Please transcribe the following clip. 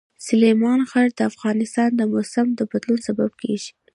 سلیمان غر د افغانستان د موسم د بدلون سبب کېږي.